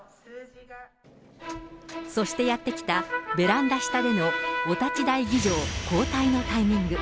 そしてやって来た、ベランダ下でのお立ち台儀じょう交代のタイミング。